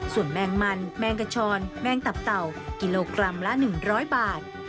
ส่วนแมงมันแมงกระชอนแมงตับเต่ากิโลกรัมละ๑๐๐บาท